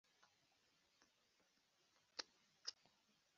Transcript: Uhore nze nkwihoreze umutesi reka unakundwe